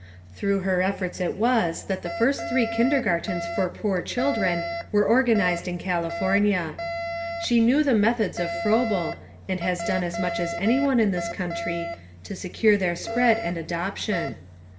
Through her efforts it was that the first free kindergartens for poor children were organized in California. She knew the methods of Froebel and has done as much as any one in this country to secure their spread and adoption.